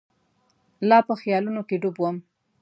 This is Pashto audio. لا په خیالونو کې ډوب وم.